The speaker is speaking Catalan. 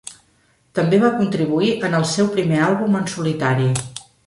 També va contribuir en el seu primer àlbum en solitari.